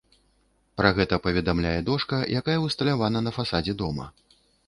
Пра гэта паведамляе дошка, якая ўсталявана на фасадзе дома.